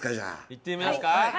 いってみますか？